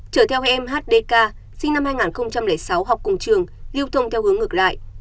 chở theo em hdk sinh năm hai nghìn sáu học cùng trường lưu thông theo hướng ngược lại